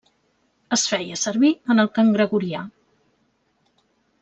Es feia servir en el cant gregorià.